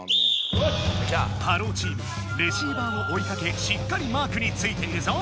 ハローチームレシーバーをおいかけしっかりマークについているぞ！